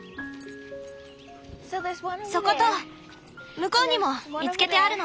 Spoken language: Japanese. そこと向こうにも見つけてあるの。